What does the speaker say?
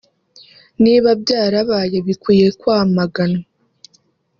“Niba byarabaye bikwiye kwamaganwa”